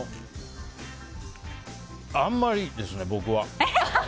あんまりですね、僕は。